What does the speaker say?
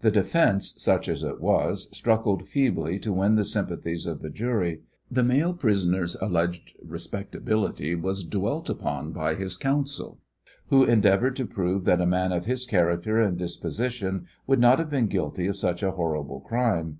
The defence, such as it was, struggled feebly to win the sympathies of the jury. The male prisoner's alleged respectability was dwelt upon by his counsel, who endeavoured to prove that a man of his character and disposition could not have been guilty of such a horrible crime.